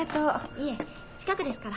いえ近くですから。